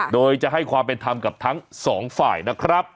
โดยจะให้ความเป็นธรรมกับทั้งสองฝ่ายนะครับ